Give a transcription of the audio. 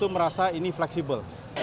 merasa ini fleksibel